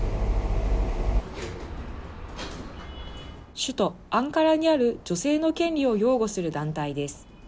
首都アンカラにある女性の権利を擁護する団体です。